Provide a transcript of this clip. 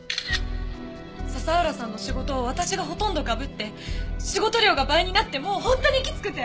佐々浦さんの仕事を私がほとんどかぶって仕事量が倍になってもう本当にきつくて！